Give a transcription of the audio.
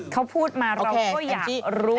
เขาพูดมาเราก็อยากรู้